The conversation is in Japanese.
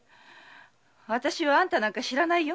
わたしはあんたなんか知らないよ。